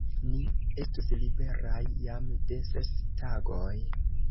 Ni estus liberaj jam de ses tagoj!